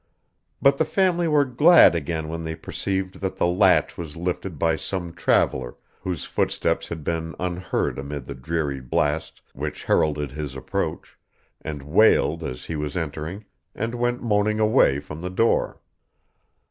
But the family were glad again when they perceived that the latch was lifted by some traveller, whose footsteps had been unheard amid the dreary blast which heralded his approach, and wailed as he was entering, and went moaning away from the door.